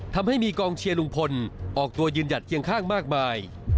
ทำให้มีกองเชียร์ลุงพลออกตัวยืนหยัดเคียงข้างมากมาย